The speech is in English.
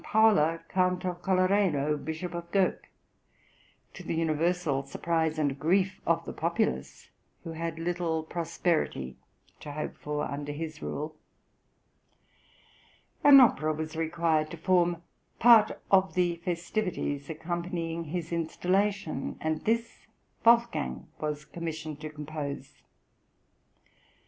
Paula, Count of Colloredo, Bishop of Gurk; to the universal surprise and grief of the populace, who had little prosperity to hope for under his rule. An opera was required to form {"IL SOGNO DI SCIPIONE" SALZBURG, 1772.} (139) part of the festivities accompanying his installation, and this Wolfgang was commissioned to compose.